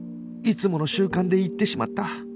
いつもの習慣で言ってしまった